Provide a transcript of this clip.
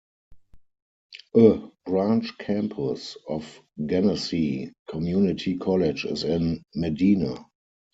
A branch campus of Genesee Community College is in Medina.